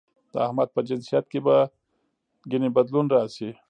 د احمد په جنسيت کې به ګنې بدلون راشي؟